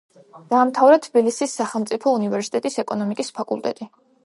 დაამთავრა თბილისის სახელმწიფო უნივერსიტეტის ეკონომიკის ფაკულტეტი.